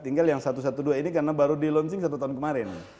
tinggal yang satu ratus dua belas ini karena baru di launching satu tahun kemarin